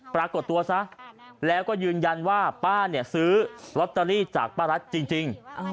ปรากฏตัวซะแล้วก็ยืนยันว่าป้าเนี่ยซื้อลอตเตอรี่จากป้ารัฐจริง